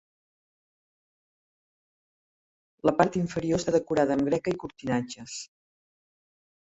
La part inferior està decorada amb greca i cortinatges.